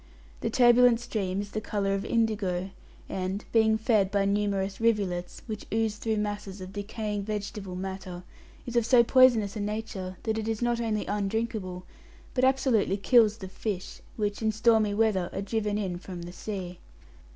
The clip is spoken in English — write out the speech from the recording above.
The turbulent stream is the colour of indigo, and, being fed by numerous rivulets, which ooze through masses of decaying vegetable matter, is of so poisonous a nature that it is not only undrinkable, but absolutely kills the fish, which in stormy weather are driven in from the sea.